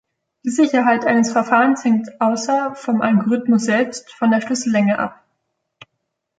Die Sicherheit eines Verfahrens hängt außer vom Algorithmus selbst von der Schlüssellänge ab.